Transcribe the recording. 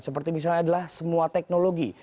seperti misalnya adalah semua teknologi